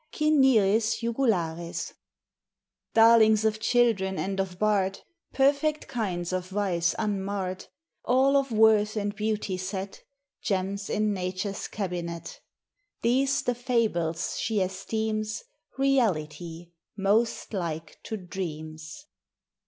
(Cinnyris jugularis.) Darlings of children and of bard, Perfect kinds by vice unmarred, All of worth and beauty set Gems in Nature's cabinet: These the fables she esteems Reality most like to dreams.